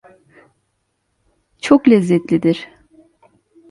Çok lezzetlidir.